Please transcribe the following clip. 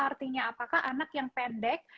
artinya apakah anak yang pendek